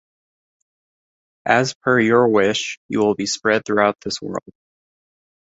As per your wish, you will be spread throughout this world.